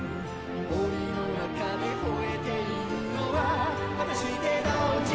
「檻の中で吼えているのは果たしてどちらか」